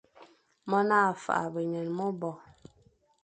Mone a faghbe nya mebo,